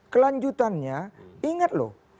kelanjutannya ingat loh